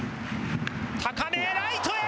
高め、ライトへ！